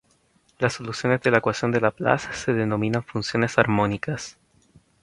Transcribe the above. Las soluciones de la ecuación de Laplace se denominan funciones armónicas.